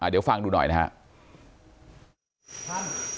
เดี๋ยวฟังดูหน่อยนะครับ